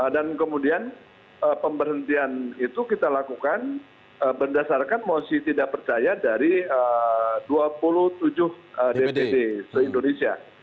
dan kemudian pemberhentian itu kita lakukan berdasarkan mosi tidak percaya dari dua puluh tujuh dpp se indonesia